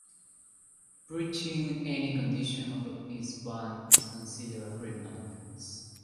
Breaching any condition of a peace bond is considered a criminal offence.